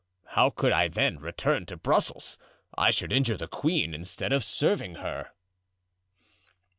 How could I, then, return to Brussels? I should injure the queen instead of serving her."